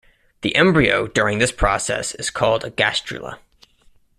The embryo during this process is called a gastrula.